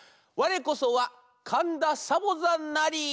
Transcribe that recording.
「われこそはかんだサボざんなり」。